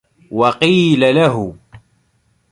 وَقِيلَ لَهُ